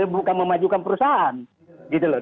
bukan memajukan perusahaan